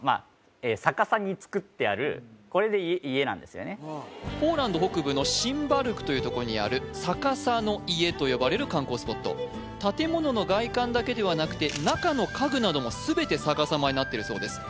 逆さに造ってあるこれで家なんですよねポーランド北部のシンバルクというとこにある「逆さの家」と呼ばれる観光スポット建物の外観だけではなくて中の家具なども全て逆さまになってるそうです